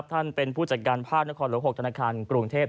ท่านเป็นผู้จัดการภาคนครหลวง๖ธนาคารกรุงเทพ